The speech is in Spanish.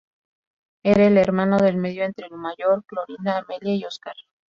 Era el hermano del medio entre la mayor, Clorinda Amelia y Oscar.